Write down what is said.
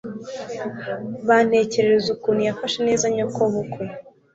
bantekerereza ukuntu wafashe neza nyokobukwe